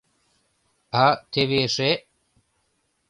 А теве эше...